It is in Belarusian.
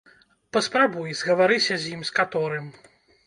Паспрабуй, згаварыся з ім, з каторым.